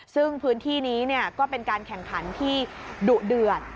ซึ่งพื้นที่นี้ก็เป็นการแข่งขันที่ดุเดือด